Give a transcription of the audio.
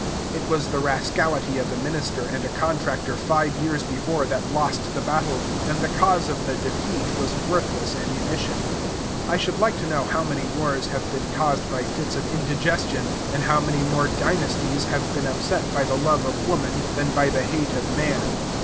It was the rascality of a minister and a contractor five years before that lost the battle; and the cause of the defeat was worthless ammunition. I should like to know how many wars have been caused by fits of indigestion, and how many more dynasties have been upset by the love of woman than by the hate of man.